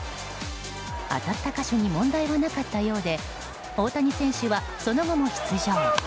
当たった箇所に問題はなかったようで大谷選手は、その後も出場。